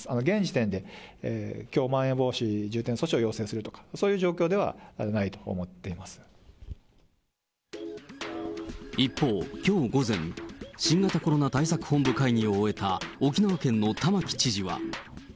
現時点で、きょうまん延防止重点措置を要請するとかそういう状況ではないと一方、きょう午前、新型コロナ対策本部会議を終えた沖縄県の玉城知事は。